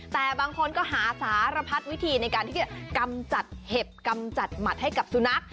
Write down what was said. แต่บางคนก็หาสารพัดวิธีในการที่จะกำจัดเห็บกำจัดหมัดให้กับสุนัข